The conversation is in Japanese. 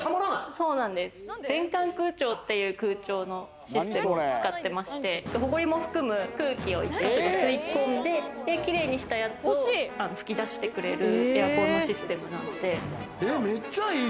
全館空調っていう空調のシステムを使ってまして、ホコリも含む空気を１ヶ所で吸い込んで、きれいにしたやつを吹き出してくれるエアコンのシステムなので。